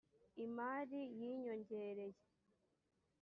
imari y ‘inyongereye.